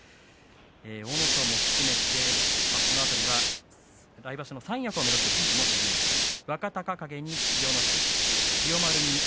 阿武咲も含めてこの辺りは来場所の三役を目指す力士もひしめいています。